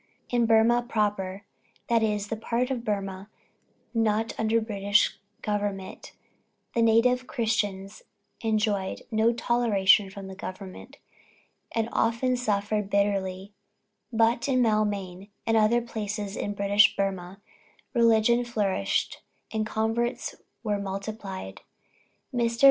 In "Burmah proper," that is, that part of Burmah not under British government, the native Christians enjoyed no toleration from the Government, and often suffered bitterly; but in Maulmain, and other places in British Burmah, religion flourished, and converts were multiplied. Mr.